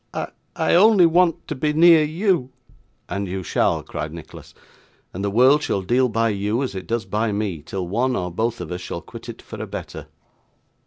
I only want to be near you.' 'And you shall,' cried Nicholas. 'And the world shall deal by you as it does by me, till one or both of us shall quit it for a better.